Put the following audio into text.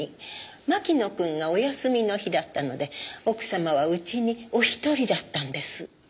牧野くんがお休みの日だったので奥様は家にお一人だったんです。